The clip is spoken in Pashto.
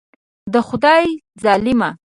د خدای ظالمه.